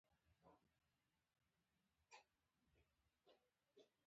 هغه خلک چې د اواز له اورېدو محروم وو.